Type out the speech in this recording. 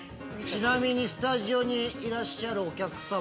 ちなみにスタジオにいらっしゃるお客様